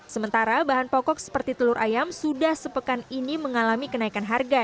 sementara bahan pokok seperti telur ayam sudah sepekan ini mengalami kenaikan harga